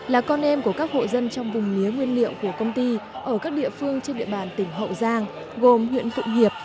là con em của các hộ dân trong vùng mía nguyên liệu của công ty ở các địa phương trên địa bàn tỉnh hậu giang gồm huyện phụng hiệp